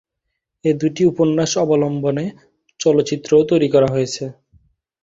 এ দুটি উপন্যাস অবলম্বনে চলচ্চিত্রও তৈরি করা হয়েছে।